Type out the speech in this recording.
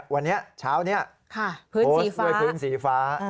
วันนี้เช้านี้โพสต์ด้วยพื้นสีฟ้า